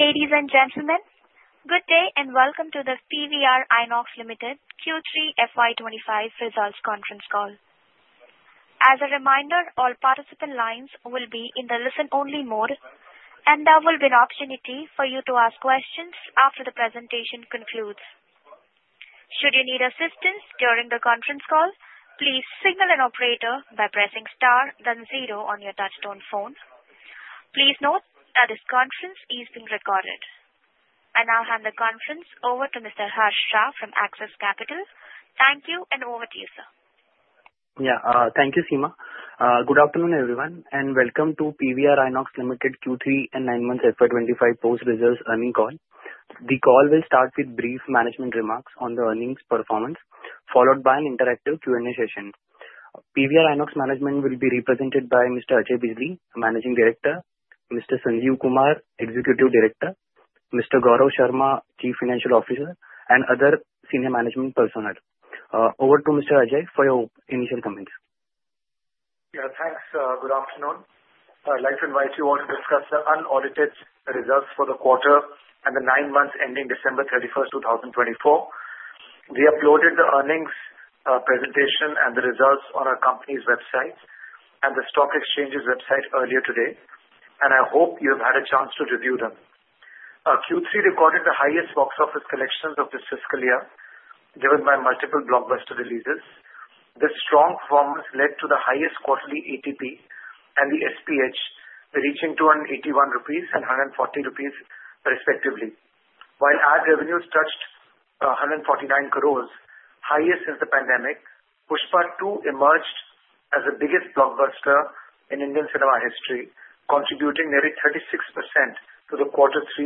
Ladies and gentlemen, good day and welcome to the PVR INOX Limited Q3 FY 2025 results conference call. As a reminder, all participant lines will be in the listen-only mode, and there will be an opportunity for you to ask questions after the presentation concludes. Should you need assistance during the conference call, please signal an operator by pressing star, then zero on your touchtone phone. Please note that this conference is being recorded. I'll hand the conference over to Mr. Harsh Shah from Axis Capital. Thank you, and over to you, sir. Yeah, thank you, Seema. Good afternoon, everyone, and welcome to PVR INOX Limited Q3 and nine-month FY 2025 post-results earnings call. The call will start with brief management remarks on the earnings performance, followed by an interactive Q&A session. PVR INOX management will be represented by Mr. Ajay Bijli, Managing Director, Mr. Sanjeev Kumar Bijli, Executive Director, Mr. Gaurav Sharma, Chief Financial Officer, and other senior management personnel. Over to Mr. Ajay for your initial comments. Yeah, thanks. Good afternoon. I'd like to invite you all to discuss the unaudited results for the quarter and the nine months ending December 31st, 2024. We uploaded the earnings, presentation, and the results on our company's website and the stock exchange's website earlier today, and I hope you have had a chance to review them. Q3 recorded the highest box office collections of this fiscal year, driven by multiple blockbuster releases. This strong performance led to the highest quarterly ATP and the SPH, reaching 281 rupees and 140 rupees, respectively. While ad revenues touched 149 crores, highest since the pandemic, Pushpa 2 emerged as the biggest blockbuster in Indian cinema history, contributing nearly 36% to the Q3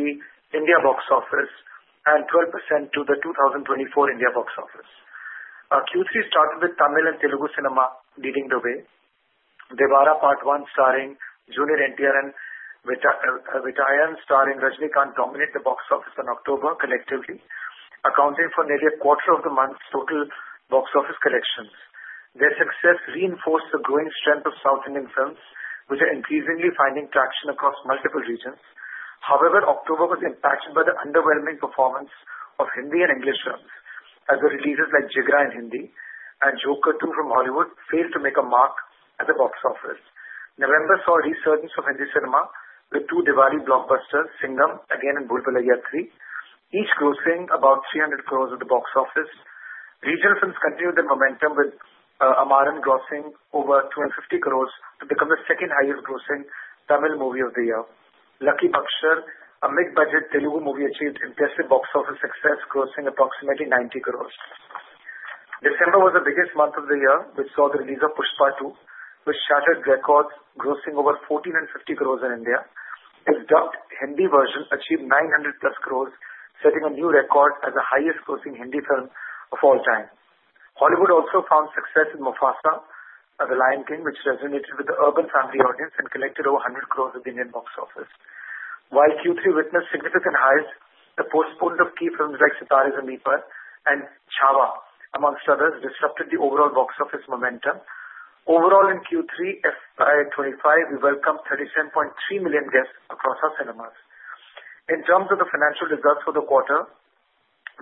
India box office and 12% to the 2024 India box office. Q3 started with Tamil and Telugu cinema leading the way. Devara: Part 1, starring Junior NTR and Vettaiyan, starring Rajinikanth, dominated the box office in October collectively, accounting for nearly a quarter of the month's total box office collections. Their success reinforced the growing strength of South Indian films, which are increasingly finding traction across multiple regions. However, October was impacted by the underwhelming performance of Hindi and English films, as the releases like Jigra in Hindi and Joker 2 from Hollywood failed to make a mark at the box office. November saw a resurgence of Hindi cinema with two Diwali blockbusters, Singham Again and Bhool Bhulaiyaa 3, each grossing about 300 crores at the box office. Regional films continued their momentum with Amaran grossing over 250 crores to become the second-highest-grossing Tamil movie of the year. Lucky Baskhar, a mid-budget Telugu movie, achieved impressive box office success, grossing approximately 90 crores. December was the biggest month of the year, which saw the release of Pushpa 2, which shattered records, grossing over 1,450 crores in India. Its dubbed Hindi version achieved 900 plus crores, setting a new record as the highest-grossing Hindi film of all time. Hollywood also found success with Mufasa: The Lion King, which resonated with the urban family audience and collected over 100 crores at the Indian box office. While Q3 witnessed significant highs, the postponement of key films like Sitaare Zameen Par and Chhaava, among others, disrupted the overall box office momentum. Overall, in Q3 FY 2025, we welcomed 37.3 million guests across our cinemas. In terms of the financial results for the quarter,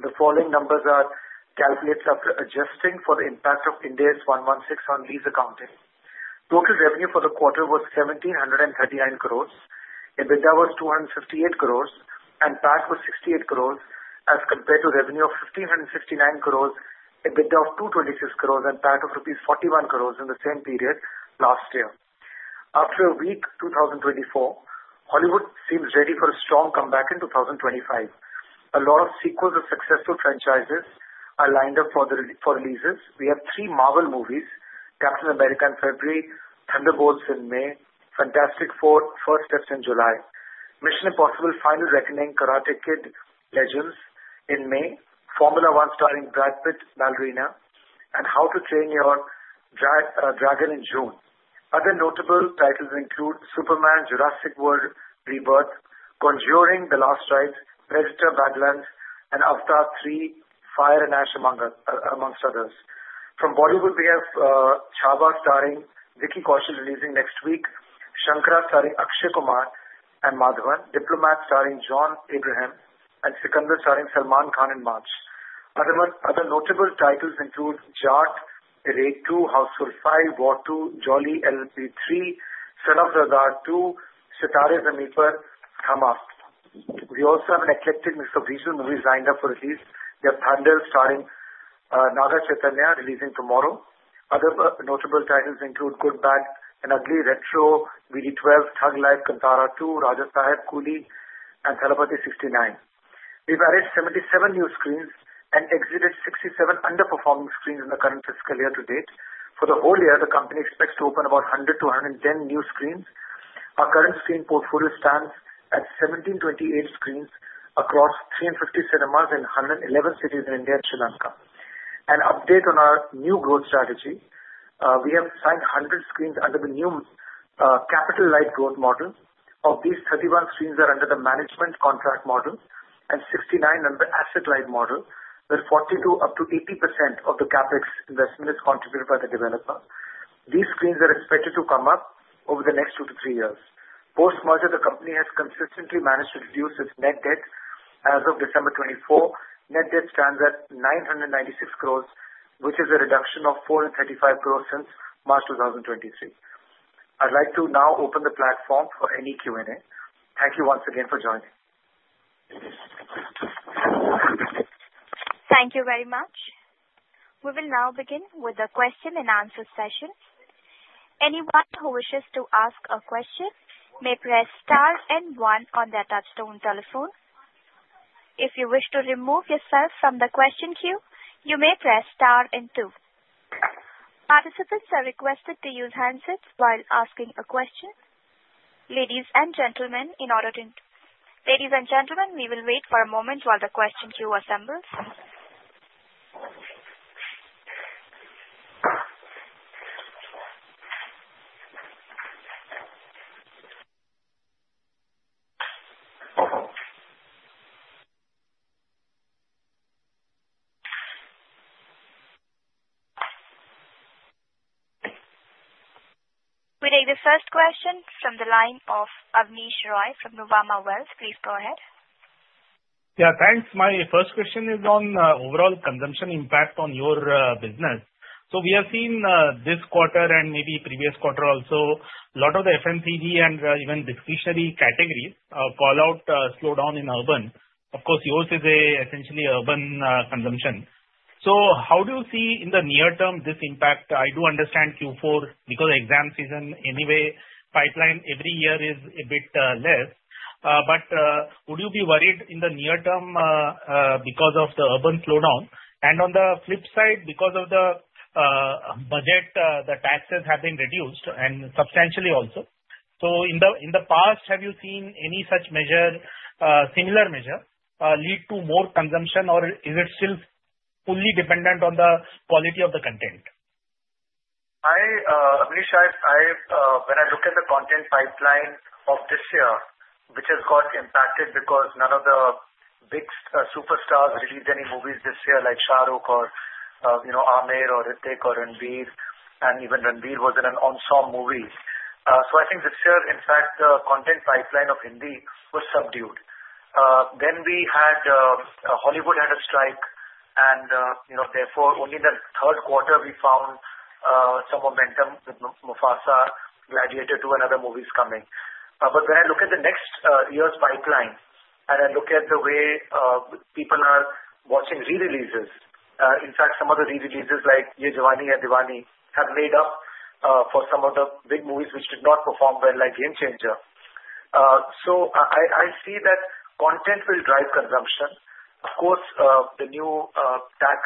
the following numbers are calculated after adjusting for the impact of Ind AS 116 on lease accounting. Total revenue for the quarter was 1,739 crores. EBITDA was 258 crores, and PAT was 68 crores, as compared to revenue of 1,569 crores, EBITDA of 226 crores, and PAT of rupees 41 crores in the same period last year. After a weak 2024, Hollywood seems ready for a strong comeback in 2025. A lot of sequels of successful franchises are lined up for the releases. We have three Marvel movies Captain America in February, Thunderbolts in May, Fantastic Four: First Steps in July, Mission: Impossible: Final Reckoning: Karate Kid Legends in May, Formula 1, starring Brad Pitt, Ballerina, and How to Train Your Dragon in June. Other notable titles include Superman, Jurassic World: Rebirth, Conjuring: The Last Rites, Predator: Badlands, and Avatar 3: Fire and Ash, among others. From Bollywood, we have Chhaava, starring Vicky Kaushal, releasing next week. Shankara, starring Akshay Kumar and Madhavan. Diplomat, starring John Abraham. And Sikandar, starring Salman Khan in March. Other notable titles include Jaat, Raid 2, Housefull 5, War 2, Jolly LLB 3, Son of Sardaar 2, Sitare Zameen Par, and Mufasa. We also have an eclectic mix of regional movies lined up for release. We have Thandel, starring Naga Chaitanya, releasing tomorrow. Other notable titles include Good, Bad, and Ugly, Retro, VD12, Thug Life, Kantara 2, Raja Saab, Coolie, and Thalapathy 69. We've arranged 77 new screens and exited 67 underperforming screens in the current fiscal year to date. For the whole year, the company expects to open about 100-110 new screens. Our current screen portfolio stands at 1,728 screens across 350 cinemas in 111 cities in India and Sri Lanka. An update on our new growth strategy we have signed 100 screens under the new, capital-light growth model. Of these, 31 screens are under the management contract model and 69 under the asset-light model, where 42%-80% of the CapEx investment is contributed by the developer. These screens are expected to come up over the next two to three years. Post-merger, the company has consistently managed to reduce its net debt. As of December 2024, net debt stands at 996 crores, which is a reduction of 435 crores since March 2023. I'd like to now open the platform for any Q&A. Thank you once again for joining. Thank you very much. We will now begin with the question-and-answer session. Anyone who wishes to ask a question may press star and one on their touch-tone telephone. If you wish to remove yourself from the question queue, you may press star and two. Participants are requested to use handsets while asking a question. Ladies and gentlemen, we will wait for a moment while the question queue assembles. We take the first question from the line of Abneesh Roy from Nuvama Wealth. Please go ahead. Yeah, thanks. My first question is on overall consumption impact on your business. So we have seen this quarter and maybe previous quarter also a lot of the FMCG and even discretionary categories call out slowdown in urban. Of course, yours is essentially urban consumption. So how do you see in the near term this impact? I do understand Q4 because exam season anyway pipeline every year is a bit less, but would you be worried in the near term because of the urban slowdown? And on the flip side, because of the budget, the taxes have been reduced and substantially also. So in the past have you seen any such measure, similar measure, lead to more consumption, or is it still fully dependent on the quality of the content? Abneesh, when I look at the content pipeline of this year, which has got impacted because none of the big superstars released any movies this year, like Shahrukh or, you know, Aamir or Hrithik or Ranveer, and even Ranveer was in an ensemble movie, so I think this year, in fact, the content pipeline of Hindi was subdued, then we had Hollywood had a strike, and, you know, therefore only in the third quarter we found, some momentum with Mufasa, Gladiator 2, and other movies coming, but when I look at the next year's pipeline and I look at the way, people are watching re-releases, in fact, some of the re-releases like Yeh Jawaani Hai Deewani have made up for some of the big movies which did not perform well like Game Changer, so I see that content will drive consumption. Of course, the new tax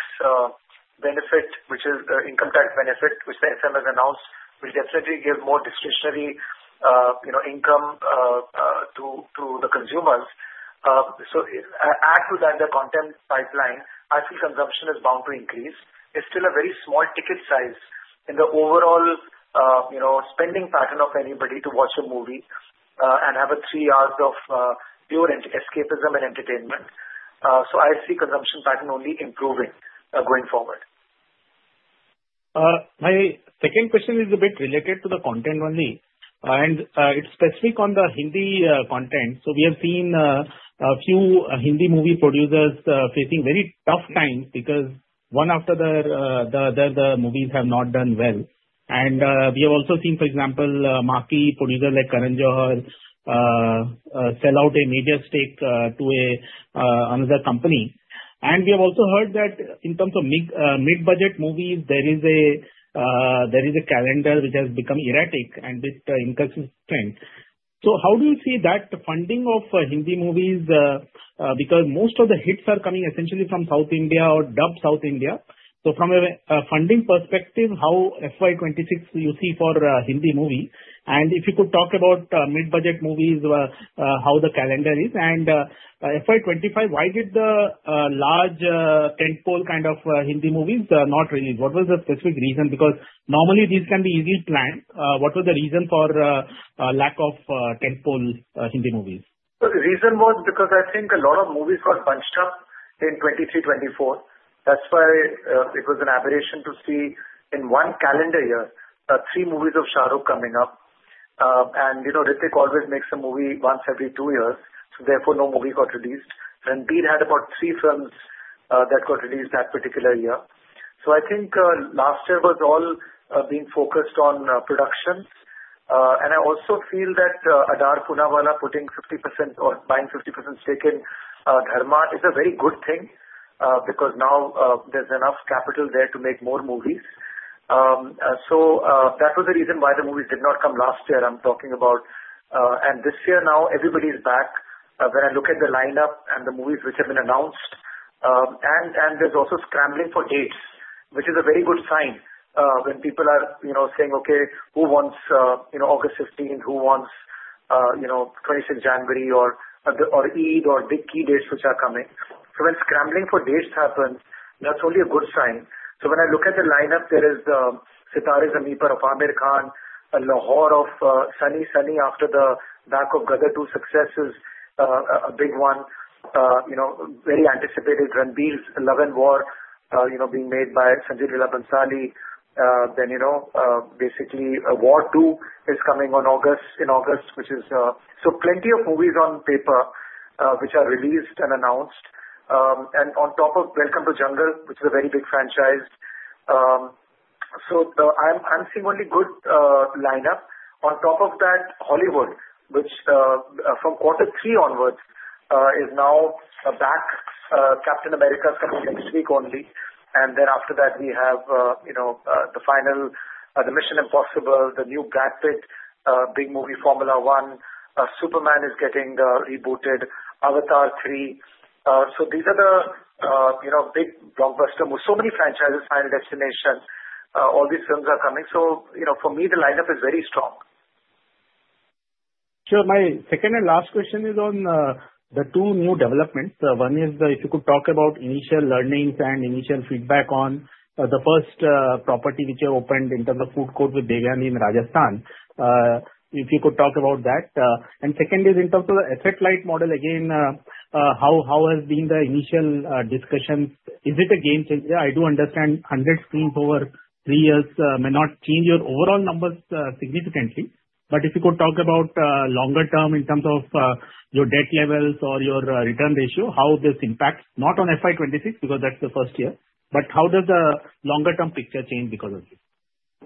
benefit, which is the income tax benefit which the FM has announced, will definitely give more discretionary, you know, income to the consumers, so add to that the content pipeline. I feel consumption is bound to increase. It's still a very small ticket size in the overall, you know, spending pattern of anybody to watch a movie, and have a three hours of pure escapism and entertainment, so I see consumption pattern only improving, going forward. My second question is a bit related to the content only, and it's specific on the Hindi content. So we have seen a few Hindi movie producers facing very tough times because one after the movies have not done well. And we have also seen, for example, marquee producers like Karan Johar sell out a major stake to another company. And we have also heard that in terms of mid-budget movies, there is a calendar which has become erratic and a bit inconsistent. So how do you see that funding of Hindi movies, because most of the hits are coming essentially from South India or dubbed South India? So from a funding perspective, how FY 2026 you see for Hindi movie? If you could talk about mid-budget movies, how the calendar is and FY 2025, why did the large tentpole kind of Hindi movies not release? What was the specific reason? Because normally these can be easily planned. What was the reason for lack of tentpole Hindi movies? The reason was because I think a lot of movies got bunched up in 2023, 2024. That's why it was an aberration to see in one calendar year three movies of Shahrukh coming up. You know, Hrithik always makes a movie once every two years, so therefore no movie got released. Ranveer had about three films that got released that particular year. I think last year was all being focused on production. I also feel that Adar Poonawalla putting 50% or buying 50% stake in Dharma is a very good thing, because now there's enough capital there to make more movies. That was the reason why the movies did not come last year. I'm talking about, and this year now everybody's back. When I look at the lineup and the movies which have been announced, and there's also scrambling for dates, which is a very good sign, when people are, you know, saying, okay, who wants, you know, August 15th, who wants, you know, 26th January or Eid or big key dates which are coming. So when scrambling for dates happens, that's only a good sign. So when I look at the lineup, there is Sitare Zameen Par of Aamir Khan, Lahore 1947 of Sunny Deol after the back of Gadar 2 success is a big one. You know, very anticipated Ranbir's Love and War, you know, being made by Sanjay Leela Bhansali. Then, you know, basically War 2 is coming in August, which is, so plenty of movies on paper, which are released and announced. And on top of Welcome to Jungle, which is a very big franchise. So, I'm seeing only good lineup. On top of that, Hollywood, which from quarter three onwards is now back. Captain America is coming next week only. And then after that, we have, you know, the final The Mission: Impossible, the new Brad Pitt big movie Formula 1. Superman is getting rebooted, Avatar 3. So these are the, you know, big blockbuster movies. So many franchises, Final Destination, all these films are coming. So, you know, for me, the lineup is very strong. Sure. My second and last question is on the two new developments. One is if you could talk about initial learnings and initial feedback on the first property which you opened in terms of food court with Devyani in Rajasthan. If you could talk about that. And second is in terms of the asset-light model again, how has been the initial discussion? Is it a game changer? I do understand 100 screens over three years may not change your overall numbers significantly. But if you could talk about longer term in terms of your debt levels or your return ratio, how this impacts, not on FY 2026 because that's the first year, but how does the longer term picture change because of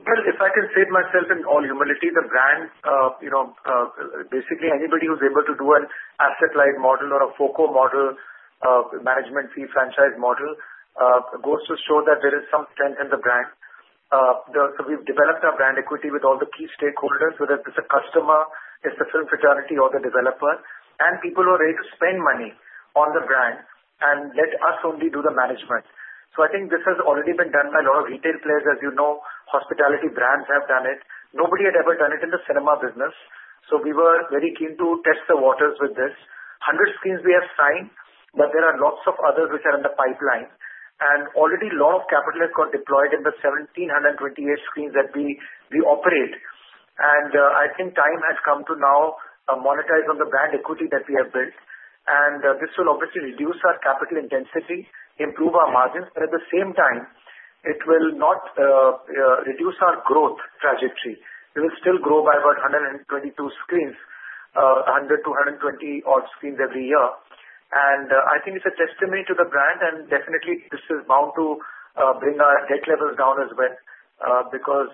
this? If I can state myself in all humility, the brand, you know, basically anybody who's able to do an asset-light model or a FOCO model, management fee franchise model, goes to show that there is some strength in the brand, so we've developed our brand equity with all the key stakeholders, whether it's a customer, it's the film fraternity, or the developer, and people who are ready to spend money on the brand and let us only do the management, so I think this has already been done by a lot of retail players, as you know. Hospitality brands have done it. Nobody had ever done it in the cinema business, so we were very keen to test the waters with this. 100 screens we have signed, but there are lots of others which are in the pipeline. Already a lot of capital has got deployed in the 1,728 screens that we operate. I think time has come to now monetize on the brand equity that we have built. This will obviously reduce our capital intensity, improve our margins, but at the same time, it will not reduce our growth trajectory. We will still grow by about 122 screens, 100-120 odd screens every year. I think it's a testimony to the brand, and definitely this is bound to bring our debt levels down as well, because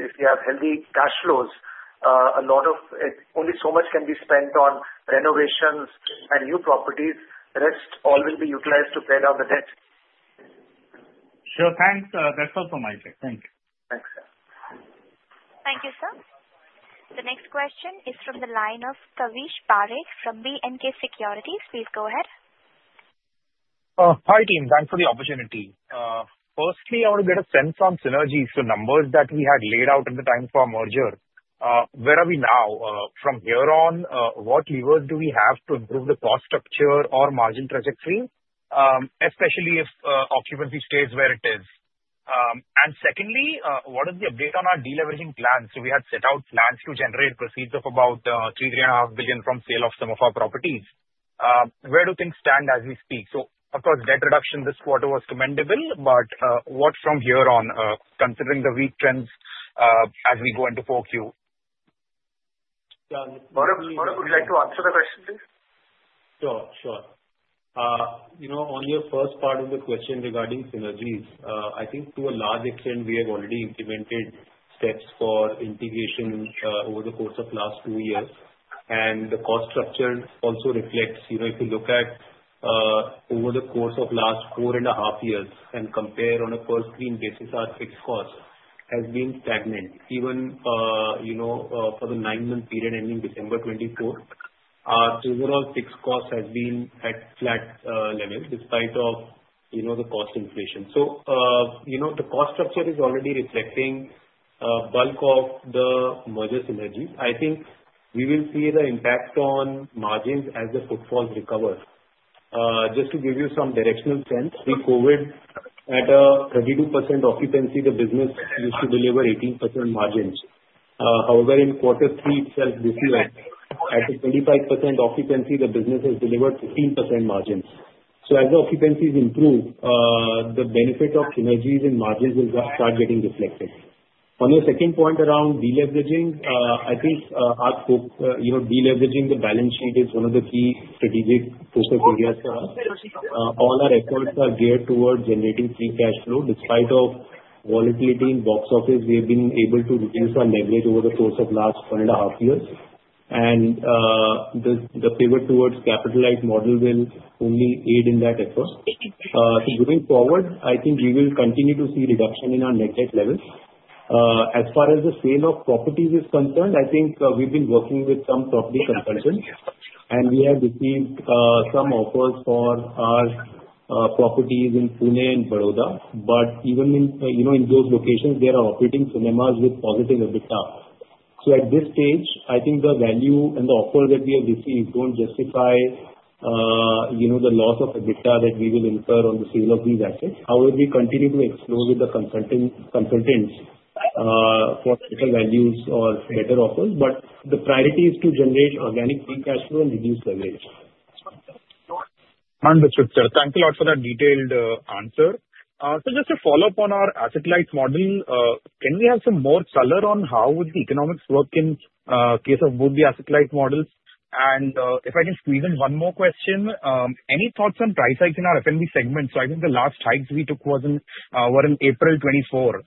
if you have healthy cash flows, a lot of it only so much can be spent on renovations and new properties. The rest all will be utilized to pay down the debt. Sure. Thanks. That's all from my side. Thank you. Thanks, sir. Thank you, sir. The next question is from the line of Kavish Parekh from B&K Securities. Please go ahead. Hi, team. Thanks for the opportunity. Firstly, I want to get a sense on synergies. So numbers that we had laid out at the time for a merger, where are we now? From here on, what levers do we have to improve the cost structure or margin trajectory, especially if occupancy stays where it is? And secondly, what is the update on our deleveraging plans? So we had set out plans to generate proceeds of about 3-3.5 billion from sale of some of our properties. Where do things stand as we speak? So, of course, debt reduction this quarter was commendable, but what from here on, considering the weak trends, as we go into Q4? What would you like to answer the question, please? Sure, sure. You know, on your first part of the question regarding synergies, I think to a large extent we have already implemented steps for integration, over the course of the last two years. The cost structure also reflects, you know, if you look at, over the course of the last four and a half years and compare on a per-screen basis, our fixed cost has been stagnant. Even, you know, for the nine-month period ending December 2024, our overall fixed cost has been at flat, level despite of, you know, the cost inflation. So, you know, the cost structure is already reflecting, bulk of the merger synergies. I think we will see the impact on margins as the footfalls recover. Just to give you some directional sense, pre-COVID, at a 32% occupancy, the business used to deliver 18% margins. However, in quarter three itself, this year, at a 25% occupancy, the business has delivered 15% margins, so as the occupancies improve, the benefit of synergies and margins will start getting reflected. On your second point around deleveraging, I think, our focus, you know, deleveraging the balance sheet is one of the key strategic focus areas for us. All our efforts are geared towards generating free cash flow. Despite of volatility in box office, we have been able to reduce our leverage over the course of the last one and a half years, and the pivot towards capital-light model will only aid in that effort, so going forward, I think we will continue to see reduction in our net debt levels. As far as the sale of properties is concerned, I think, we've been working with some property consultants, and we have received, some offers for our, properties in Pune and Vadodara. But even in, you know, in those locations, there are operating cinemas with positive EBITDA. So at this stage, I think the value and the offers that we have received don't justify, you know, the loss of EBITDA that we will incur on the sale of these assets. However, we continue to explore with the consultants, for better values or better offers. But the priority is to generate organic free cash flow and reduce leverage. Understood, sir. Thank you a lot for that detailed answer. So just to follow up on our asset-light model, can we have some more color on how would the economics work in, case of both the asset-light models? If I can squeeze in one more question, any thoughts on price hikes in our F&B segment? So I think the last hikes we took were in April 2024.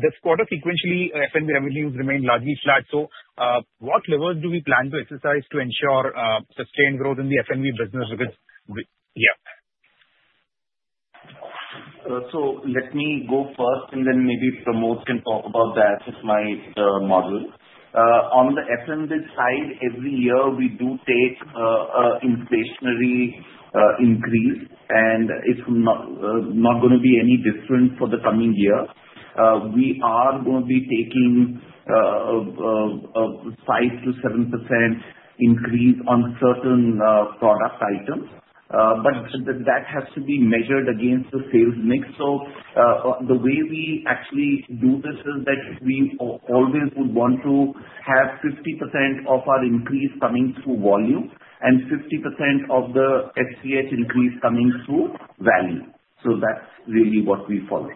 This quarter sequentially, F&B revenues remained largely flat. So, what levers do we plan to exercise to ensure sustained growth in the F&B business? Because yeah. So let me go first and then maybe Pramod can talk about the asset-light model. On the F&B side, every year we do take an inflationary increase, and it's not going to be any different for the coming year. We are going to be taking 5%-7% increase on certain product items. But that has to be measured against the sales mix. So the way we actually do this is that we always would want to have 50% of our increase coming through volume and 50% of the SPH increase coming through value. So that's really what we follow.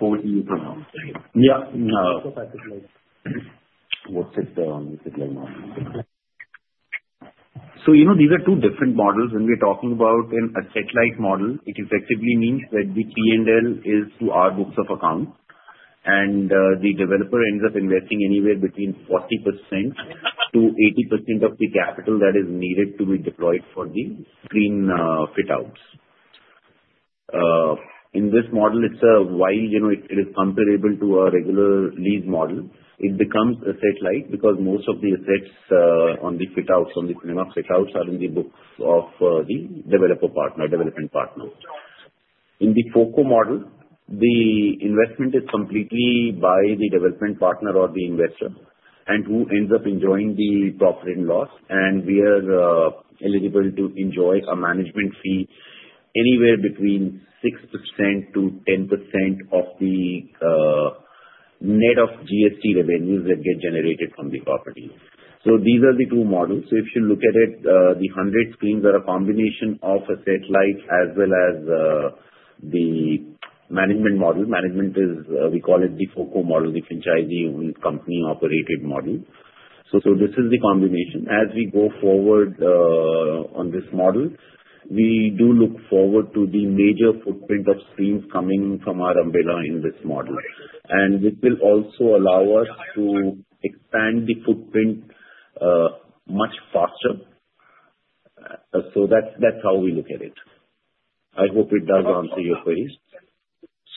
Over to you, Pramod. Yeah. What's it, So, you know, these are two different models. When we're talking about an asset-light model, it effectively means that the lease is to our books of accounts, and the developer ends up investing anywhere between 40%-80% of the capital that is needed to be deployed for the screen, fit-outs. In this model, it's albeit, you know, it is comparable to a regular lease model. It becomes asset-light because most of the assets, on the fit-outs, on the cinema fit-outs, are in the books of the developer partner, development partner. In the FOCO model, the investment is completely by the development partner or the investor and who ends up enjoying the profit and loss. And we are eligible to enjoy a management fee anywhere between 6%-10% of the net of GST revenues that get generated from the property. So these are the two models. So if you look at it, the 100 screens are a combination of asset-light as well as, the management model. Management is, we call it the FOCO model, the franchisee-owned company-operated model. So this is the combination. As we go forward, on this model, we do look forward to the major footprint of screens coming from our umbrella in this model. And this will also allow us to expand the footprint, much faster. So that's how we look at it. I hope it does answer your question.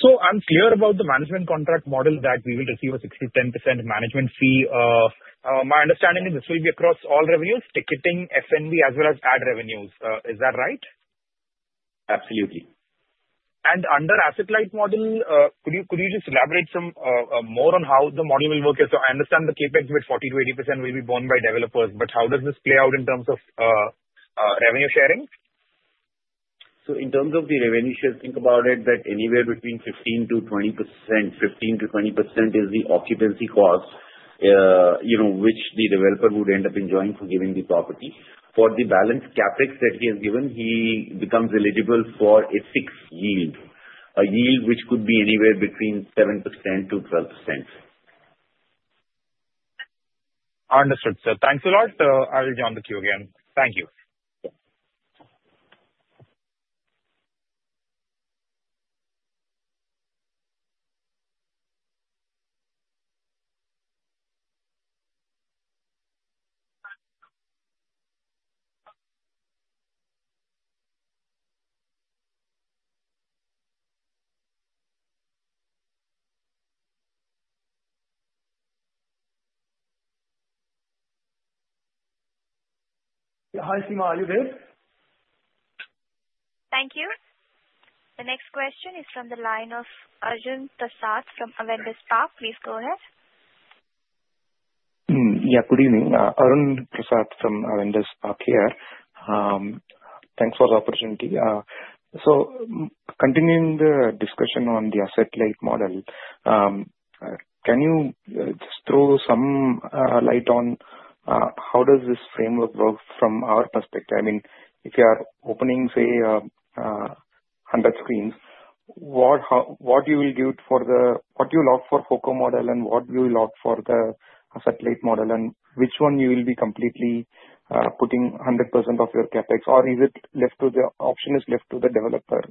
So, I'm clear about the management contract model that we will receive a 6%-10% management fee. My understanding is this will be across all revenues, ticketing, F&B, as well as ad revenues. Is that right? Absolutely. Under asset-light model, could you just elaborate some more on how the model will work? So I understand the CapEx with 40%-80% will be borne by developers, but how does this play out in terms of revenue sharing? So in terms of the revenue share, think about it that anywhere between 15%-20%, 15%-20% is the occupancy cost, you know, which the developer would end up enjoying for giving the property. For the balance CapEx that he has given, he becomes eligible for a fixed yield, a yield which could be anywhere between 7%-12%. Understood, sir. Thank you a lot. I'll join the queue again. Thank you. Yeah. Hi, Seema. Are you there? Thank you. The next question is from the line of Arun Prasath from Avendus Spark. Please go ahead. Yeah. Good evening. Arun Prasath from Avendus Spark here. Thanks for the opportunity. So continuing the discussion on the asset-light model, can you just throw some light on how does this framework work from our perspective? I mean, if you are opening, say, 100 screens, what how what you'll opt for the FOCO model and what you'll opt for the asset-light model and which one you will be completely putting 100% of your CapEx? Or is it left to the option left to the developer?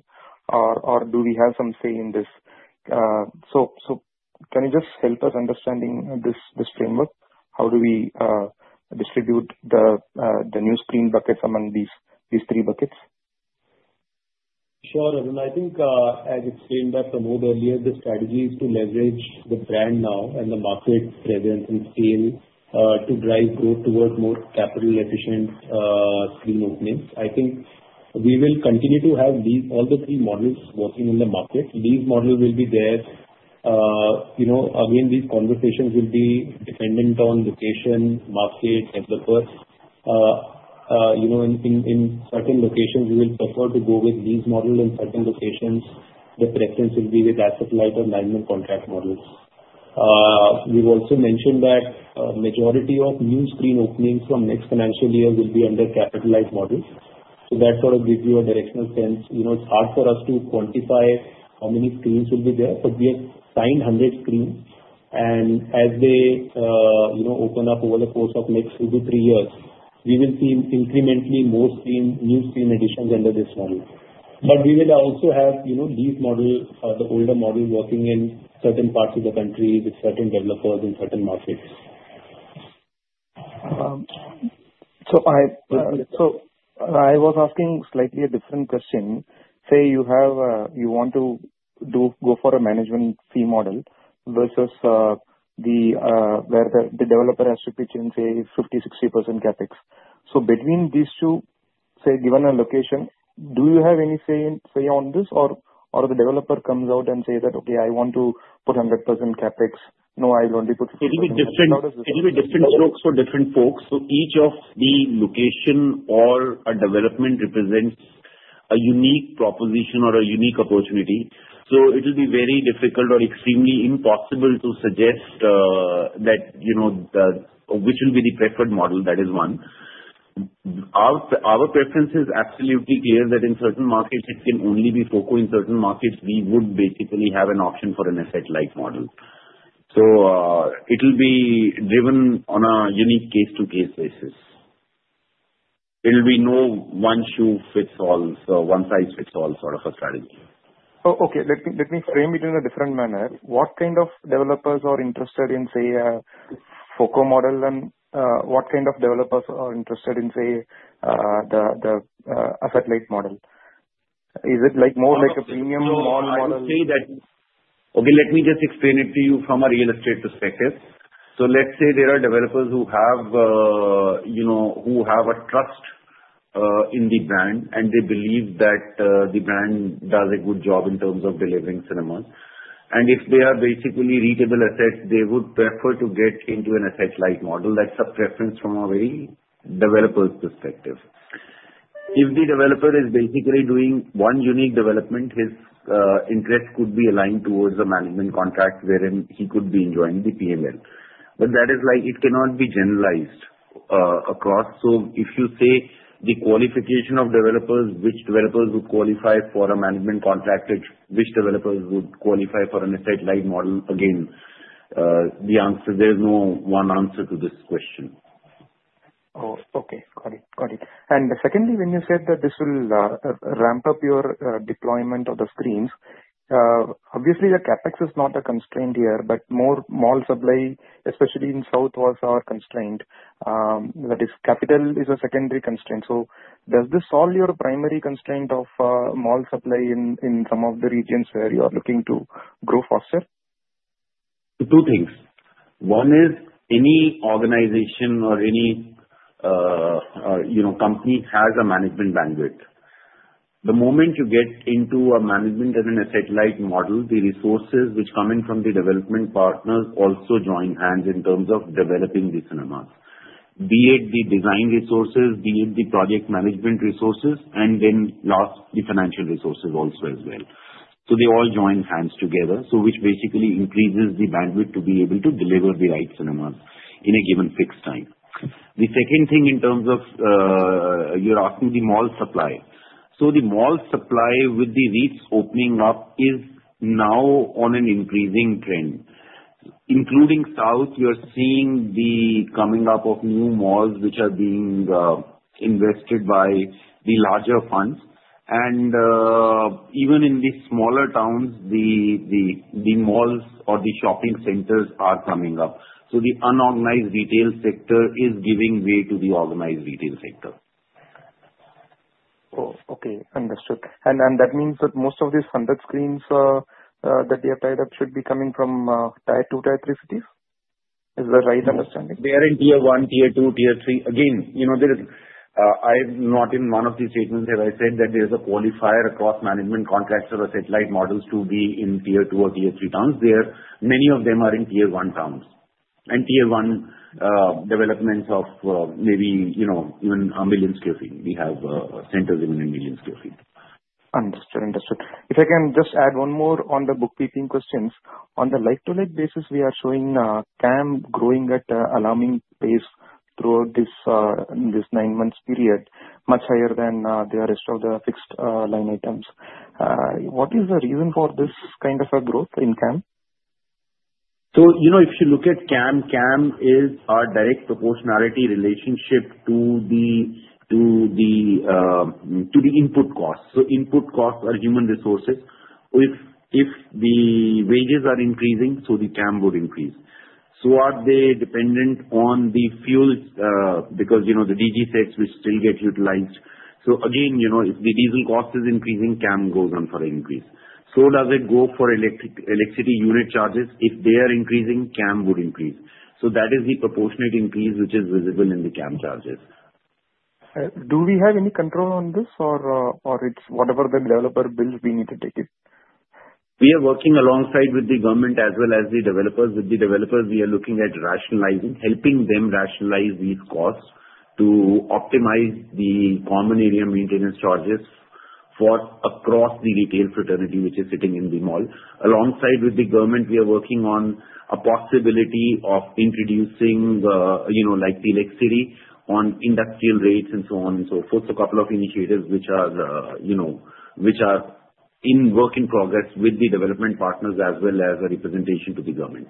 Or do we have some say in this? So can you just help us understanding this framework? How do we distribute the new screen buckets among these three buckets? Sure, Arun. I think, as explained by Pramod earlier, the strategy is to leverage the brand now and the market presence and scale, to drive growth towards more capital-efficient, screen openings. I think we will continue to have these all the three models working in the market. These models will be there. You know, again, these conversations will be dependent on location, market, developers. You know, in certain locations, we will prefer to go with these models. In certain locations, the preference will be with asset-light or management contract models. We've also mentioned that, the majority of new screen openings from next financial year will be under capital-light models. So that sort of gives you a directional sense. You know, it's hard for us to quantify how many screens will be there, but we have signed 100 screens. As they, you know, open up over the course of next two to three years, we will see incrementally more screens, new screen additions under this model. We will also have, you know, these models, the older models working in certain parts of the country with certain developers in certain markets. So I, so I was asking slightly a different question. Say you have, you want to do go for a management fee model versus, the, where the developer has to pitch in, say, 50%-60% CapEx. So between these two, say, given a location, do you have any say in, say, on this? Or, or the developer comes out and says that, "Okay, I want to put 100% CapEx." No, I'll only put 50% CapEx. It will be different, it will be different strokes for different folks. So each of the location or a development represents a unique proposition or a unique opportunity. So it will be very difficult or extremely impossible to suggest that, you know, which will be the preferred model. That is one. Our preference is absolutely clear that in certain markets, it can only be FOCO. In certain markets, we would basically have an option for an asset-light model. So it'll be driven on a unique case-by-case basis. It'll be no one size fits all, so one size fits all sort of a strategy. Oh, okay. Let me frame it in a different manner. What kind of developers are interested in, say, FOCO model? And what kind of developers are interested in, say, the asset-light model? Is it more like a premium model? So let's say that, okay, let me just explain it to you from a real estate perspective. So let's say there are developers who have, you know, who have a trust in the brand, and they believe that the brand does a good job in terms of delivering cinemas. And if they are basically retail assets, they would prefer to get into an asset-light model. That's a preference from the developer's perspective. If the developer is basically doing one unique development, his interest could be aligned towards a management contract wherein he could be enjoying the P&L. But that is like it cannot be generalized across. So if you say the qualification of developers, which developers would qualify for a management contract, which developers would qualify for an asset-light model, again, the answer, there is no one answer to this question. Oh, okay. Got it. Got it. And secondly, when you said that this will ramp up your deployment of the screens, obviously the CapEx is not a constraint here, but more mall supply, especially in South India, are constrained. That is, capital is a secondary constraint. So does this solve your primary constraint of mall supply in some of the regions where you are looking to grow faster? Two things. One is any organization or any, you know, company has a management bandwidth. The moment you get into a management and an asset-light model, the resources which come in from the development partners also join hands in terms of developing the cinemas, be it the design resources, be it the project management resources, and then last, the financial resources also as well. So they all join hands together, so which basically increases the bandwidth to be able to deliver the right cinemas in a given fixed time. The second thing in terms of, you're asking the mall supply. So the mall supply with the REITs opening up is now on an increasing trend. Including South, you're seeing the coming up of new malls which are being invested by the larger funds. Even in the smaller towns, the malls or the shopping centers are coming up. The unorganized retail sector is giving way to the organized retail sector. Oh, okay. Understood. And that means that most of these 100 screens that they have tied up should be coming from tier two, tier three cities? Is that right understanding? They are in tier one, tier two, tier three. Again, you know, there is. I'm not. In one of these statements have I said that there is a qualifier across management contracts for asset-light models to be in tier two or tier three towns. There are many of them in tier one towns, and tier one developments of maybe, you know, even a million sq ft. We have centers even in million sq ft. Understood. If I can just add one more on the bookkeeping questions. On the like-to-like basis, we are showing CAM growing at an alarming pace throughout this nine-month period, much higher than the rest of the fixed line items. What is the reason for this kind of a growth in CAM? You know, if you look at CAM, CAM is our direct proportionality relationship to the input costs. Input costs are human resources. If the wages are increasing, the CAM would increase. Are they dependent on the fuel, because, you know, the DGs which still get utilized? Again, you know, if the diesel cost is increasing, CAM goes on for an increase. Does it go for electricity unit charges? If they are increasing, CAM would increase. That is the proportionate increase which is visible in the CAM charges. Do we have any control on this or it's whatever the developer builds, we need to take it? We are working alongside with the government as well as the developers. With the developers, we are looking at rationalizing, helping them rationalize these costs to optimize the common area maintenance charges across the retail fraternity which is sitting in the mall. Alongside with the government, we are working on a possibility of introducing, you know, like electricity on industrial rates and so on and so forth. So a couple of initiatives which are, you know, which are in work in progress with the development partners as well as a representation to the government.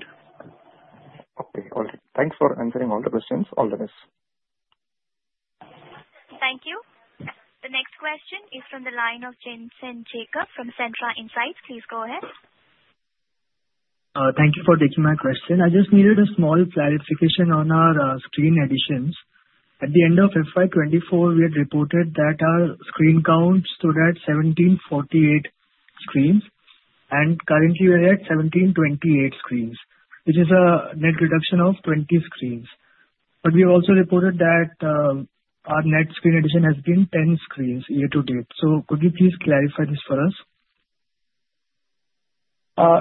Okay. All right. Thanks for answering all the questions. All the best. Thank you. The next question is from the line of Jensen Jacob from Centra Insights. Please go ahead. Thank you for taking my question. I just needed a small clarification on our screen additions. At the end of FY 2026, we had reported that our screen count stood at 1,748 screens, and currently we are at 1,728 screens, which is a net reduction of 20 screens. But we have also reported that our net screen addition has been 10 screens year to date. So could you please clarify this for us?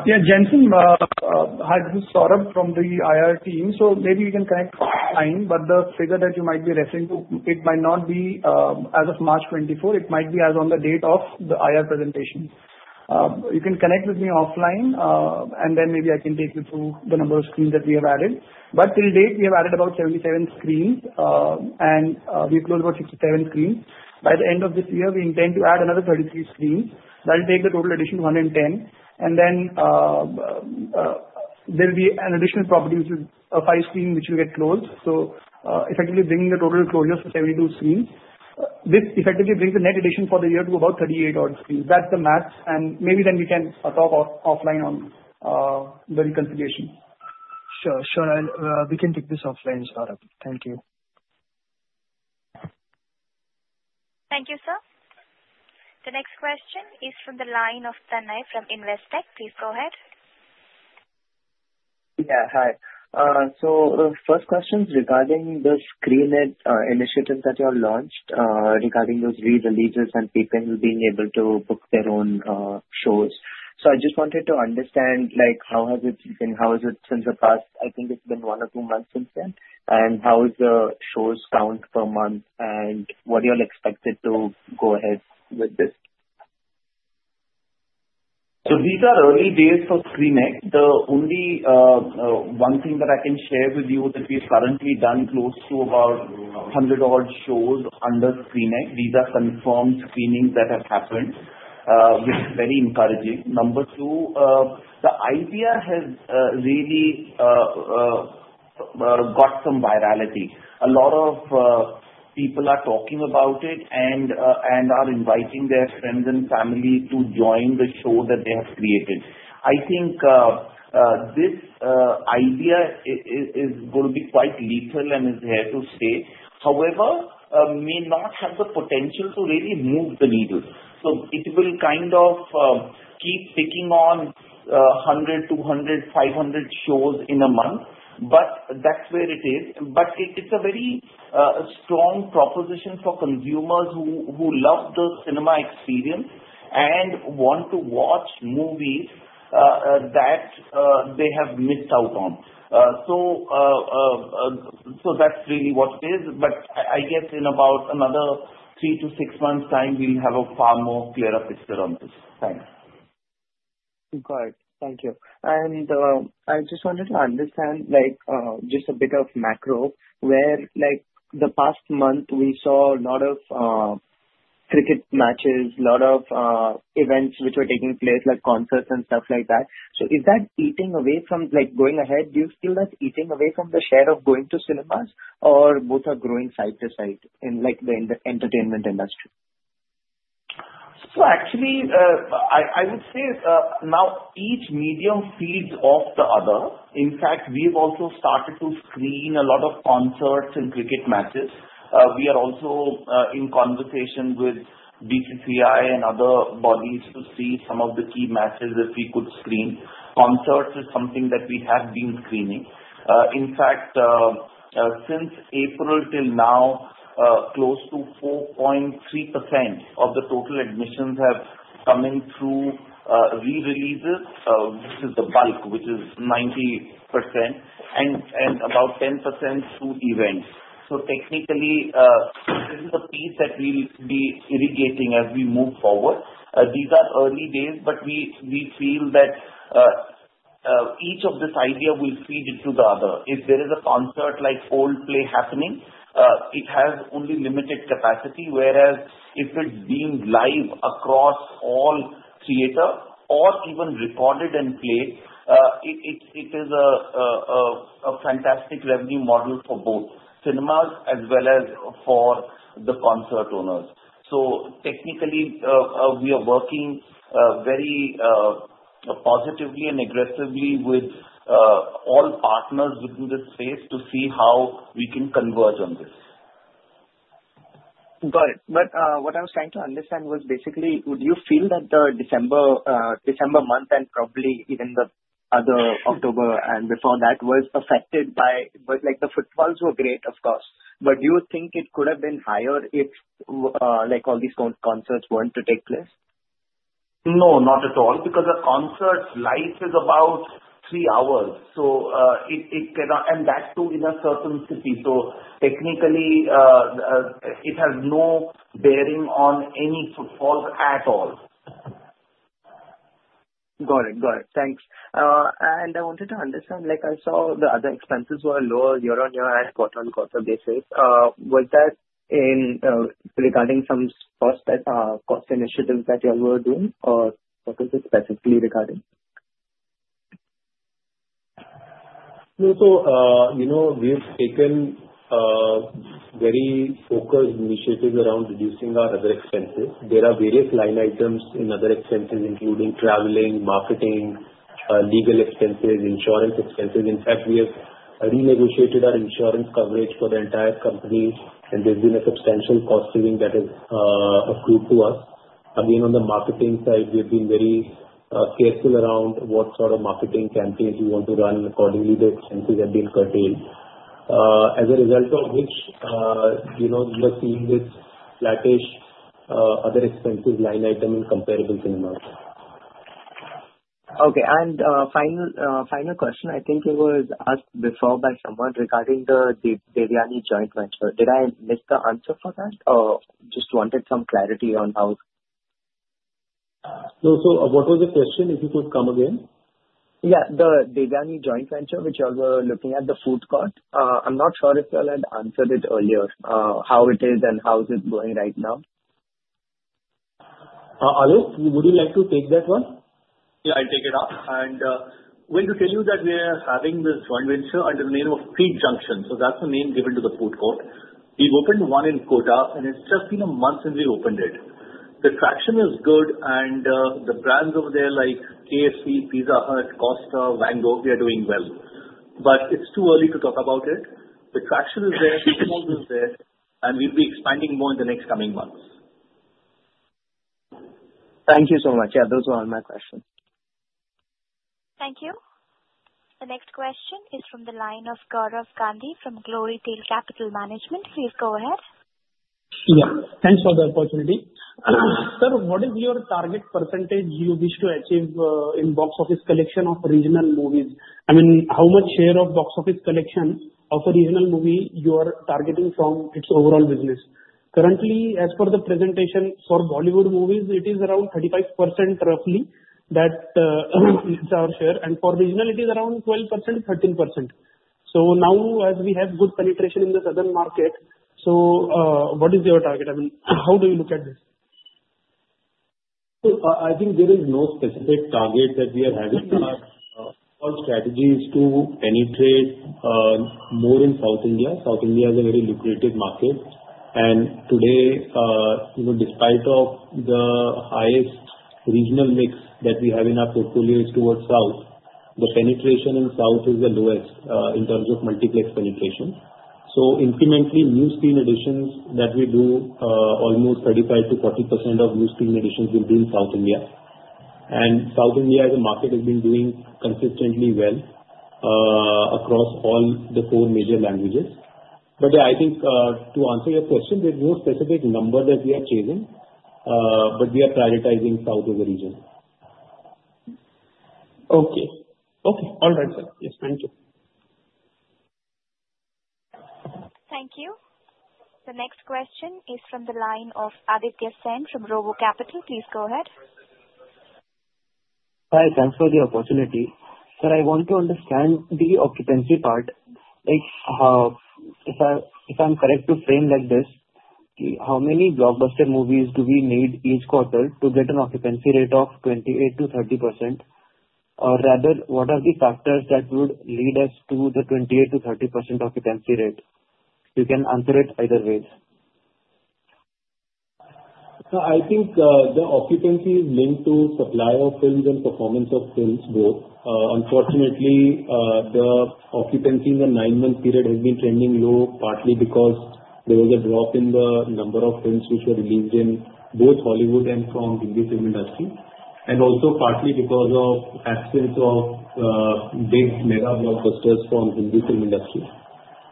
Yeah. Jensen, hi this is Saurabh from the IR team. So maybe you can connect offline, but the figure that you might be referring to, it might not be as of March 24. It might be as on the date of the IR presentation. You can connect with me offline, and then maybe I can take you through the number of screens that we have added. But till date, we have added about 77 screens, and we have closed about 67 screens. By the end of this year, we intend to add another 33 screens. That will take the total addition to 110. And then, there'll be an additional property which is a five screen which will get closed. So, effectively bringing the total closures to 72 screens. This effectively brings the net addition for the year to about 38 odd screens. That's the math. And maybe then we can talk offline on the reconciliation. Sure. Sure. We can take this offline, Saurabh. Thank you. Thank you, sir. The next question is from the line of Tanay from Investec. Please go ahead. Yeah. Hi. So, first question is regarding the screening initiatives that you all launched, regarding those re-releases and people being able to book their own shows. So I just wanted to understand, like, how has it been? How has it since the past? I think it's been one or two months since then, and how is the shows count per month and what are you all expected to go ahead with this? These are early days for screening. The one thing that I can share with you that we have currently done close to about 100 odd shows under screening. These are confirmed screenings that have happened, which is very encouraging. Number two, the idea has really got some virality. A lot of people are talking about it and are inviting their friends and family to join the show that they have created. I think this idea is going to be quite lethal and is here to stay. However, it may not have the potential to really move the needle. It will kind of keep picking on 100, 200, 500 shows in a month. But that's where it is. It's a very strong proposition for consumers who love the cinema experience and want to watch movies that they have missed out on. So, that's really what it is. But I guess in about another three-to-six months' time, we'll have a far more clearer picture on this. Thanks. Good. Thank you. And I just wanted to understand, like, just a bit of macro where, like, the past month we saw a lot of cricket matches, a lot of events which were taking place, like concerts and stuff like that. So is that eating away from, like, going ahead? Do you feel that's eating away from the share of going to cinemas or both are growing side to side in, like, the entertainment industry? So actually, I would say, now each medium feeds off the other. In fact, we've also started to screen a lot of concerts and cricket matches. We are also in conversation with BCCI and other bodies to see some of the key matches that we could screen. Concerts is something that we have been screening. In fact, since April till now, close to 4.3% of the total admissions have come in through rereleases, which is the bulk, which is 90%, and about 10% through events. So technically, this is a piece that we'll be integrating as we move forward. These are early days, but we feel that each of these ideas will feed into the other. If there is a concert-like old play happening, it has only limited capacity, whereas if it's being live across all theaters or even recorded and played, it is a fantastic revenue model for both cinemas as well as for the concert owners. So technically, we are working very positively and aggressively with all partners within this space to see how we can converge on this. Got it, but what I was trying to understand was basically would you feel that the December December month and probably even the other October and before that was affected by but like the full halls were great of course. But do you think it could have been higher if like all these concerts weren't to take place? No, not at all. Because a concert's life is about three hours. So, it cannot, and that too in a certain city. So technically, it has no bearing on any footfalls at all. Got it. Got it. Thanks, and I wanted to understand, like, I saw the other expenses were lower year-on-year and quarter-on-quarter basis. Was that regarding some cost initiatives that you all were doing, or what was it specifically regarding? Yeah. So, you know, we have taken very focused initiatives around reducing our other expenses. There are various line items in other expenses, including traveling, marketing, legal expenses, insurance expenses. In fact, we have renegotiated our insurance coverage for the entire company, and there's been a substantial cost saving that has accrued to us. Again, on the marketing side, we have been very careful around what sort of marketing campaigns we want to run accordingly. The expenses have been curtailed, as a result of which, you know, we are seeing this flattish other expenses line item in comparable cinemas. Okay. And, final, final question. I think it was asked before by someone regarding the Devyani Joint Venture. Did I miss the answer for that, or just wanted some clarity on how? No, sir, what was the question? If you could come again? Yeah. The Devyani Joint Venture, which you all were looking at, the food court, I'm not sure if you all had answered it earlier, how it is and how is it going right now? Would you like to take that one? Yeah, I'll take it up. To tell you that we are having this joint venture under the name of Treat Junction. So that's the name given to the food court. We've opened one in Kota, and it's just been a month since we opened it. The traction is good, and the brands over there, like KFC, Pizza Hut, Costa, Vaango, we are doing well. But it's too early to talk about it. The traction is there. The small business is there, and we'll be expanding more in the next coming months. Thank you so much. Yeah, those were all my questions. Thank you. The next question is from the line of Gaurav Gandhi from Glorytail Capital Management. Please go ahead. Yeah. Thanks for the opportunity. Sir, what is your target percentage you wish to achieve in box office collection of regional movies? I mean, how much share of box office collection of a regional movie you are targeting from its overall business? Currently, as per the presentation for Bollywood movies, it is around 35% roughly that; it's our share, and for regional, it is around 12%-13%. So now, as we have good penetration in the southern market, so what is your target? I mean, how do you look at this? I think there is no specific target that we are having. Our strategy is to penetrate, more in South India. South India is a very lucrative market. Today, you know, despite of the highest regional mix that we have in our portfolio is towards South, the penetration in South is the lowest, in terms of multiplex penetration. Incrementally, new screen additions that we do, almost 35%-40% of new screen additions will be in South India. South India, as a market, has been doing consistently well, across all the four major languages. Yeah, I think, to answer your question, there's no specific number that we are chasing, but we are prioritizing South as a region. Okay. Okay. All right, sir. Yes, thank you. Thank you. The next question is from the line of Aditya Sen from RoboCapital. Please go ahead. Hi. Thanks for the opportunity. Sir, I want to understand the occupancy part. Like, if I'm correct to frame like this, how many blockbuster movies do we need each quarter to get an occupancy rate of 28%-30%? Or rather, what are the factors that would lead us to the 28%-30% occupancy rate? You can answer it either way. So I think the occupancy is linked to supply of films and performance of films both. Unfortunately, the occupancy in the nine-month period has been trending low, partly because there was a drop in the number of films which were released in both Hollywood and from the film industry, and also partly because of the absence of big mega blockbusters from the film industry.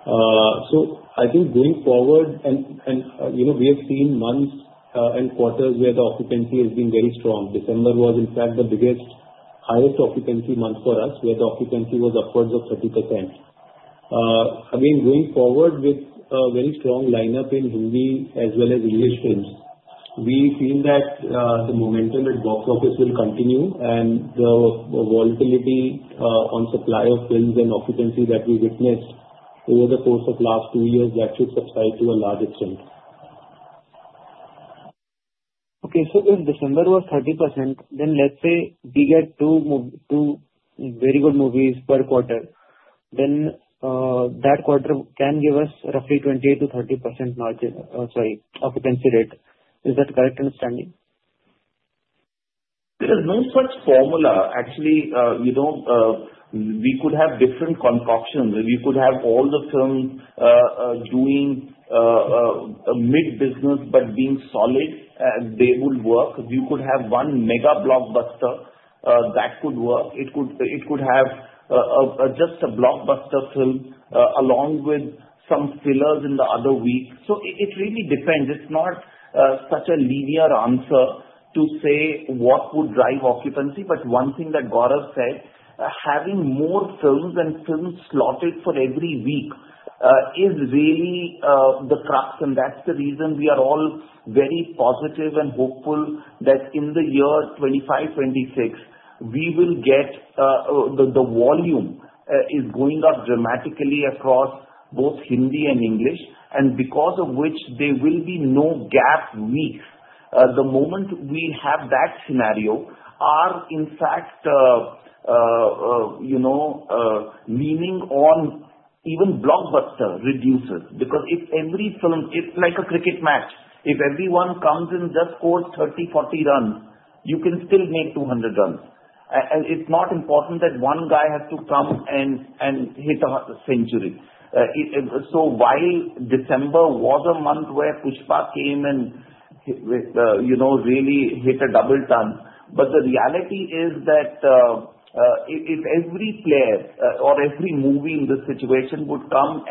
So I think going forward, you know, we have seen months and quarters where the occupancy has been very strong. December was in fact the biggest highest occupancy month for us, where the occupancy was upwards of 30%. Again, going forward with a very strong lineup in Hindi as well as English films, we feel that the momentum at box office will continue, and the volatility on supply of films and occupancy that we witnessed over the course of the last two years should subside to a large extent. Okay. So if December was 30%, then let's say we get two movies, two very good movies per quarter, then that quarter can give us roughly 28%-30% margin, sorry, occupancy rate. Is that a correct understanding? There is no such formula. Actually, you know, we could have different concoctions. We could have all the films, doing, mid-business but being solid, and they would work. You could have one mega blockbuster, that could work. It could, it could have, just a blockbuster film, along with some fillers in the other week. So it really depends. It's not such a linear answer to say what would drive occupancy. But one thing that Gaurav said, having more films and films slotted for every week, is really the crux. And that's the reason we are all very positive and hopeful that in the year 2025, 2026, we will get, the, the volume, is going up dramatically across both Hindi and English, and because of which there will be no gap weeks. The moment we have that scenario, our, in fact, you know, leaning on even blockbuster reduces. Because if every film, it's like a cricket match. If everyone comes in, just scores 30, 40 runs, you can still make 200 runs. And it's not important that one guy has to come and hit a century. So while December was a month where Pushpa came and hit, you know, really hit a double ton, but the reality is that if every player, or every movie in this situation would come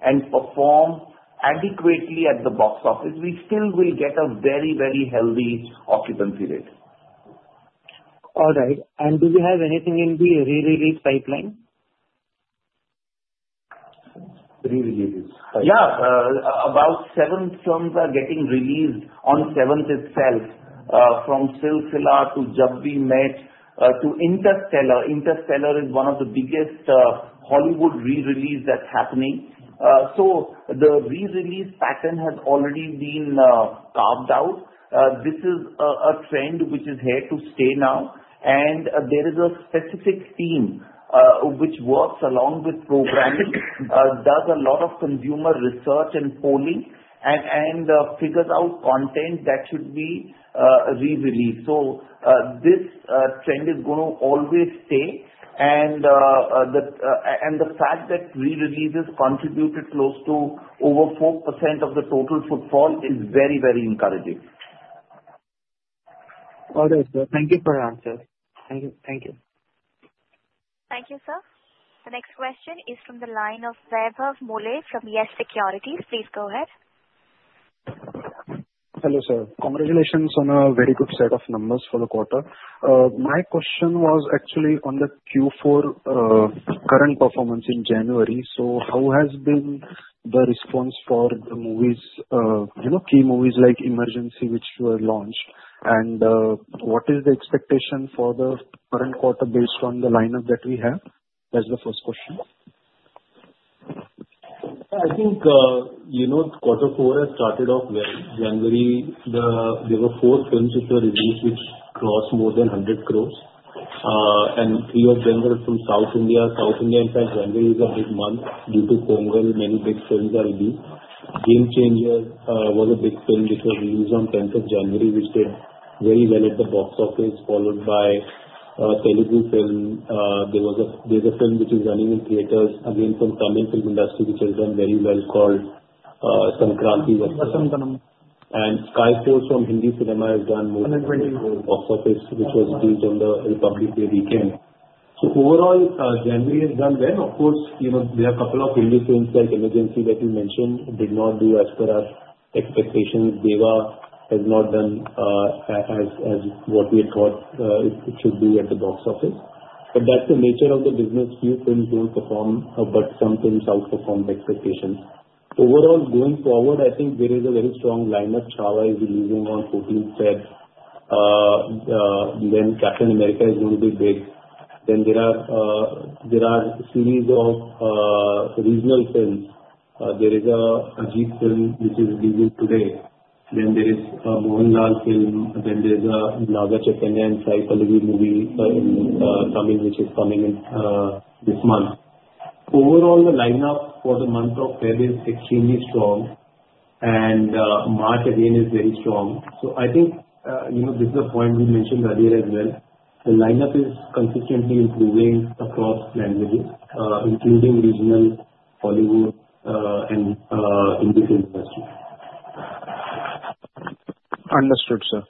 and perform adequately at the box office, we still will get a very, very healthy occupancy rate. All right. And do we have anything in the re-release pipeline? Re-releases. Yeah. About seven films are getting released on seventh itself, from Silsila to Jab We Met, to Interstellar. Interstellar is one of the biggest Hollywood rerelease that's happening. So the rerelease pattern has already been carved out. This is a trend which is here to stay now. And there is a specific team which works along with programming, does a lot of consumer research and polling, and figures out content that should be rereleased. This trend is going to always stay. And the fact that rereleases contributed close to over 4% of the total box office is very, very encouraging. All right, sir. Thank you for your answers. Thank you. Thank you. Thank you, sir. The next question is from the line of Vaibhav Muley from YES Securities. Please go ahead. Hello, sir. Congratulations on a very good set of numbers for the quarter. My question was actually on the Q4 current performance in January. So how has been the response for the movies, you know, key movies like Emergency, which were launched? And what is the expectation for the current quarter based on the lineup that we have? That's the first question. I think, you know, quarter four has started off well. January, there were four films which were released, which crossed more than INR 100 crores, and three of them were from South India. South India, in fact, January is a big month due to Pongal. Many big films are released. Game Changer was a big film which was released on 10th of January, which did very well at the box office, followed by a Telugu film. There's a film which is running in theaters, again from Tamil film industry, which has done very well, called Sankranthiki Vasthunam. Sky Force from Hindi cinema has done more than 24 crore box office, which was released on the Republic Day weekend. Overall, January has done well. Of course, you know, there are a couple of Hindi films like Emergency that you mentioned did not do as per our expectations. Devara has not done as what we had thought it should be at the box office. But that's the nature of the business. Few films don't perform, but some films outperform the expectations. Overall, going forward, I think there is a very strong lineup. Chhaava is releasing on 14th February. Captain America is going to be big. There are a series of regional films. There is an Ajith film, which is releasing today. There is a Mohanlal film. Then there's a Naga Chaitanya and Sai Pallavi movie, coming, which is coming in this month. Overall, the lineup for the month of February is extremely strong, and March again is very strong. So I think, you know, this is a point we mentioned earlier as well. The lineup is consistently improving across languages, including regional, Bollywood, and Hindi film industry. Understood, sir.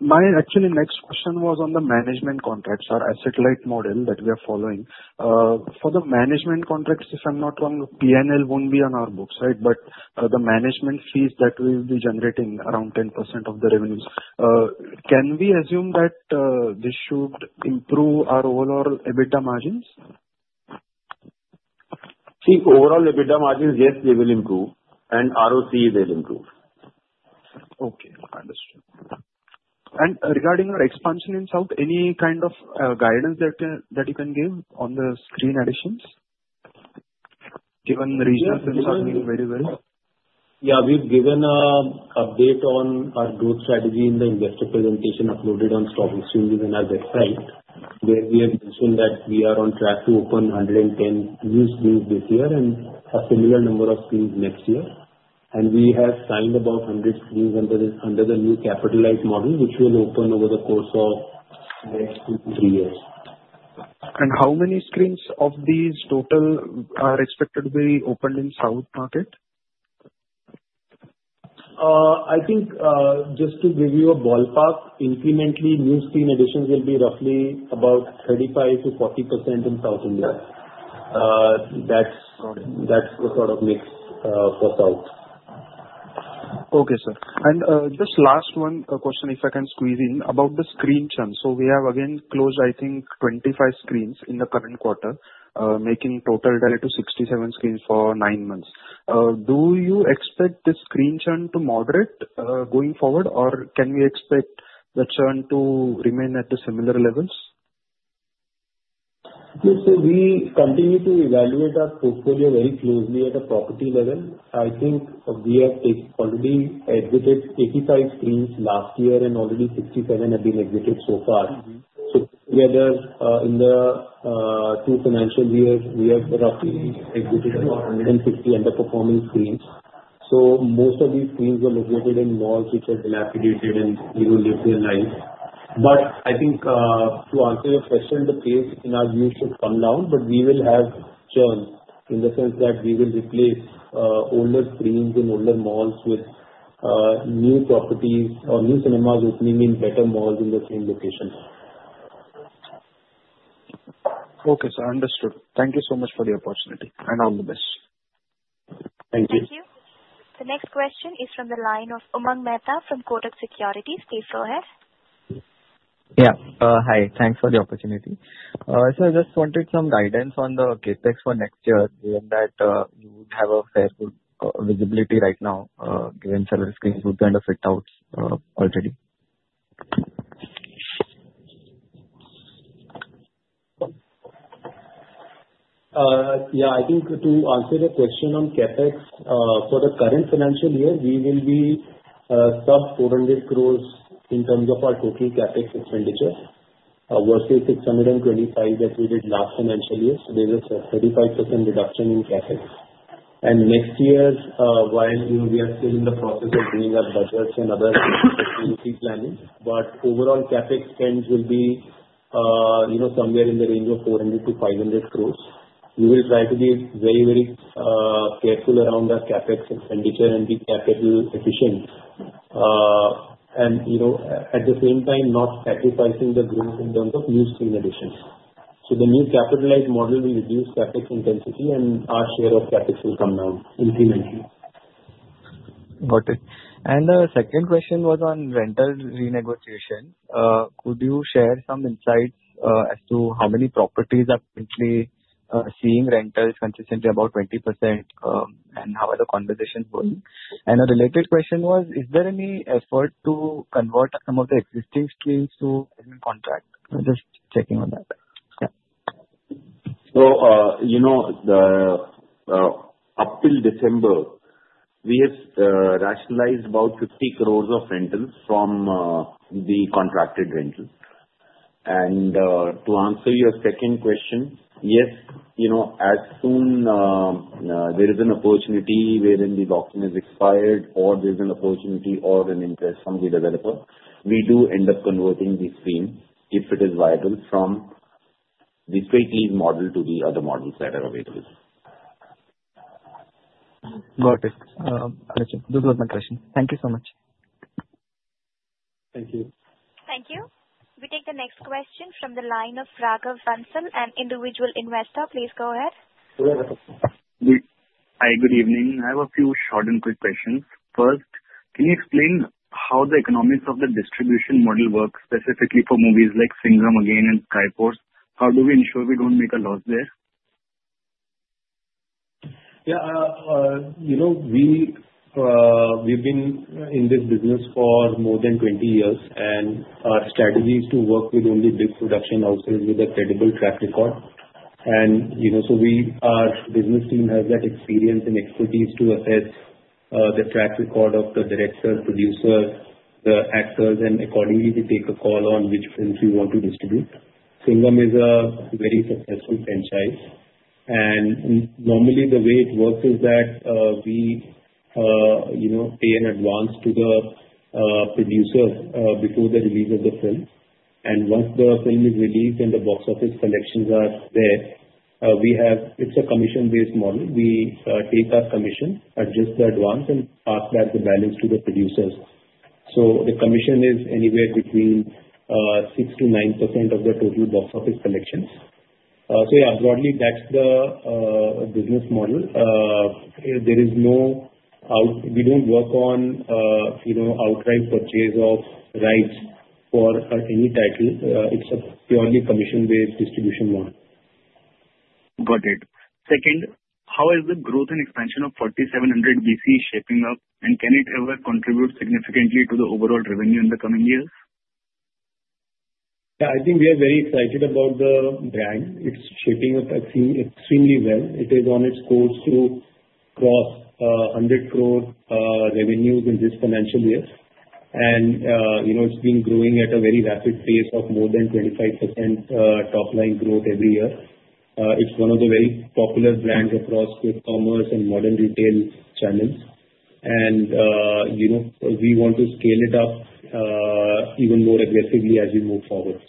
My actually next question was on the management contracts, or asset-light model that we are following. For the management contracts, if I'm not wrong, P&L won't be on our books, right? But the management fees that we'll be generating, around 10% of the revenues, can we assume that this should improve our overall EBITDA margins? See, overall EBITDA margins, yes, they will improve, and ROC will improve. Okay. Understood. And regarding our expansion in south, any kind of, guidance that can, that you can give on the screen additions, given the regional films are doing very well? Yeah. We've given an update on our growth strategy in the investor presentation uploaded on stock exchange and our website, where we have mentioned that we are on track to open 110 new screens this year and a similar number of screens next year. And we have signed about 100 screens under the new capitalized model, which will open over the course of next two, three years. How many screens of these total are expected to be opened in South market? I think, just to give you a ballpark, incrementally, new screen additions will be roughly about 35%-40% in South India. That's, that's the sort of mix, for South. Okay, sir. And just last one question, if I can squeeze in, about the screen churn. So we have again closed, I think, 25 screens in the current quarter, making total to 67 screens for nine months. Do you expect this screen churn to moderate, going forward, or can we expect the churn to remain at the similar levels? Yes. So we continue to evaluate our portfolio very closely at a property level. I think we have already exited 85 screens last year, and already 67 have been exited so far. So together, in the two financial years, we have roughly exited about 150 underperforming screens. So most of these screens were located in malls, which are dilapidated and, you know, lived their life. But I think, to answer your question, the pace in our view should come down, but we will have churn in the sense that we will replace older screens in older malls with new properties or new cinemas opening in better malls in the same location. Okay, sir. Understood. Thank you so much for the opportunity. And all the best. Thank you. Thank you. The next question is from the line of Umang Mehta from Kotak Securities. Please go ahead. Yeah. Hi. Thanks for the opportunity. Sir, I just wanted some guidance on the CapEx for next year, given that you would have a fair good visibility right now, given several screens would kind of fit out already. Yeah. I think to answer your question on CapEx, for the current financial year, we will be sub 400 crores in terms of our total CapEx expenditure, versus 625 crores that we did last financial year. So there's a 35% reduction in CapEx. Next year, while you know, we are still in the process of doing our budgets and other strategic planning, but overall CapEx spends will be, you know, somewhere in the range of 400 crores to 500 crores. We will try to be very, very careful around our CapEx expenditure and be capital efficient, and, you know, at the same time, not sacrificing the growth in terms of new screen additions. So the new asset-light model will reduce CapEx intensity, and our share of CapEx will come down incrementally. Got it. And the second question was on rental renegotiation. Could you share some insights as to how many properties are currently seeing rentals consistently about 20%, and how are the conversations going? And a related question was, is there any effort to convert some of the existing screens to management contract? Just checking on that. Yeah. So, you know, up till December, we have rationalized about 50 crores of rentals from the contracted rentals. And, to answer your second question, yes, you know, as soon as there is an opportunity wherein the document is expired or there's an opportunity or an interest from the developer, we do end up converting the screen if it is viable from the straight lease model to the other models that are available. Got it. Understood. Those were my questions. Thank you so much. Thank you. Thank you. We take the next question from the line of Raghav Bansal, an individual investor. Please go ahead. Hi, good evening. I have a few short and quick questions. First, can you explain how the economics of the distribution model works specifically for movies like Singham Again and Sky Force? How do we ensure we don't make a loss there? Yeah, you know, we've been in this business for more than 20 years, and our strategy is to work with only big production houses with a credible track record. And, you know, so our business team has that experience and expertise to assess the track record of the director, producer, the actors, and accordingly, we take a call on which films we want to distribute. Singham is a very successful franchise. And normally, the way it works is that, we, you know, pay in advance to the producer before the release of the film. Once the film is released and the box office collections are there, we have. It's a commission-based model. We take our commission, adjust the advance, and pass that balance to the producers. The commission is anywhere between 6%-9% of the total box office collections. Yeah, broadly, that's the business model. There is no. We don't work on, you know, outright purchase of rights for any title, except purely commission-based distribution model. Got it. Second, how is the growth and expansion of 4700BC shaping up, and can it ever contribute significantly to the overall revenue in the coming years? Yeah. I think we are very excited about the brand. It's shaping up. I've seen extremely well. It is on its course to cross 100 crore revenues in this financial year. You know, it's been growing at a very rapid pace of more than 25% top-line growth every year. It's one of the very popular brands across e-commerce and modern retail channels. You know, we want to scale it up even more aggressively as we move forward.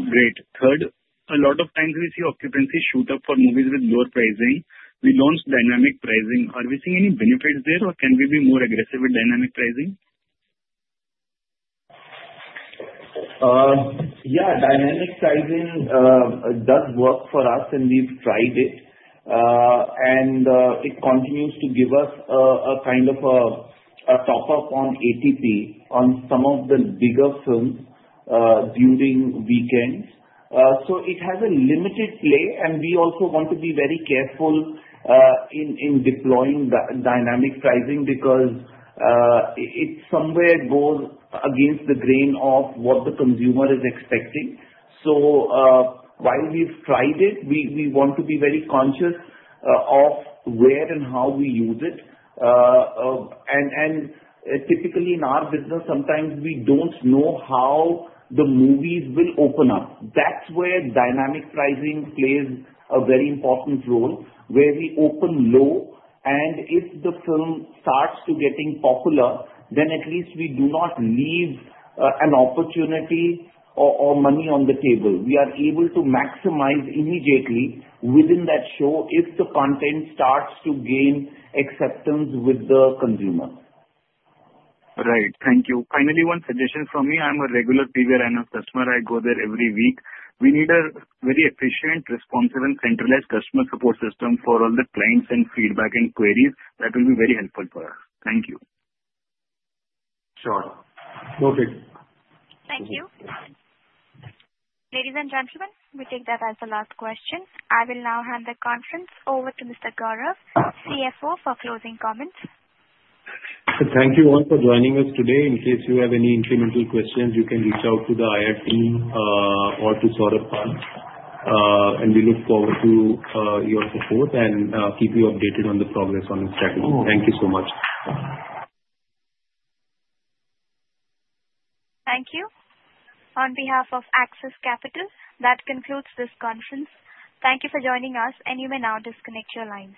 Great. Third, a lot of times we see occupancy shoot up for movies with lower pricing. We launched dynamic pricing. Are we seeing any benefits there, or can we be more aggressive with dynamic pricing? Yeah. Dynamic pricing does work for us, and we've tried it. It continues to give us a kind of a top-up on ATP on some of the bigger films during weekends. So it has a limited play, and we also want to be very careful in deploying the dynamic pricing because it somewhere goes against the grain of what the consumer is expecting. So, while we've tried it, we want to be very conscious of where and how we use it. And typically in our business, sometimes we don't know how the movies will open up. That's where dynamic pricing plays a very important role, where we open low, and if the film starts to getting popular, then at least we do not leave an opportunity or money on the table. We are able to maximize immediately within that show if the content starts to gain acceptance with the consumer. Right. Thank you. Finally, one suggestion from me. I'm a regular PVR INOX customer. I go there every week. We need a very efficient, responsive, and centralized customer support system for all the clients and feedback and queries. That will be very helpful for us. Thank you. Sure. Perfect. Thank you. Ladies and gentlemen, we take that as the last question. I will now hand the conference over to Mr. Gaurav, CFO, for closing comments. Thank you all for joining us today. In case you have any incremental questions, you can reach out to the IR team, or to Saurabh Pant, and we look forward to your support and keep you updated on the progress on the strategy. Thank you so much. Thank you. On behalf of Axis Capital, that concludes this conference. Thank you for joining us, and you may now disconnect your lines.